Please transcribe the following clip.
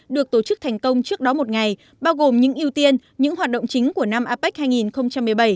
được tổ chức thành công trước đó một ngày bao gồm những ưu tiên những hoạt động chính của năm apec hai nghìn một mươi bảy